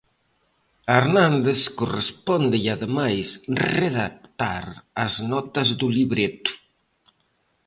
A Hernández correspóndelle, ademais, redactar as notas do libreto.